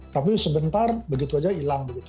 tapi sebentar begitu saja hilang begitu